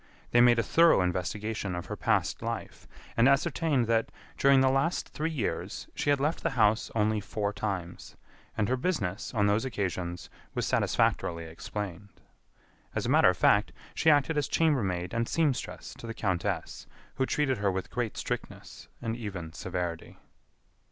They made a thorough investigation of her past life, and ascertained that, during the last three years, she had left the house only four times, and her business, on those occasions, was satisfactorily explained. As a matter of fact, she acted as chambermaid and seamstress to the countess, who treated her with great strictness and even severity.